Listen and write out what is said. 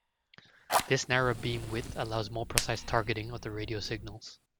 This narrow beam width allows more precise targeting of the radio signals.